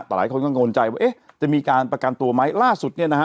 แต่หลายคนกังวลใจว่าเอ๊ะจะมีการประกันตัวไหมล่าสุดเนี่ยนะฮะ